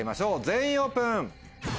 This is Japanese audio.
全員オープン！